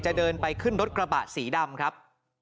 เดินไปขึ้นรถกระบะสีดำครับ